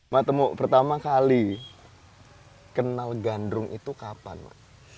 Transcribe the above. mak temu pertama kali kenal gandrung itu kapan mak